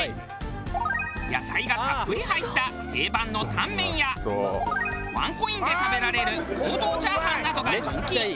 野菜がたっぷり入った定番のタンメンやワンコインで食べられる王道チャーハンなどが人気。